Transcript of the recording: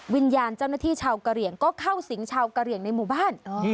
วิญญาณเจ้าหน้าที่ชาวกะเหลี่ยงก็เข้าสิงชาวกะเหลี่ยงในหมู่บ้าน